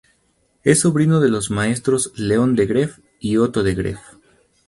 Es sobrino de los maestros León de Greiff y Otto de Greiff.